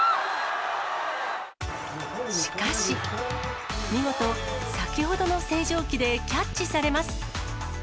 しかし、見事、先ほどの星条旗でキャッチされます。